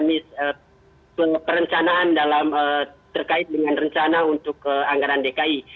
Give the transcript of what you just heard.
miss perencanaan dalam terkait dengan rencana untuk anggaran dki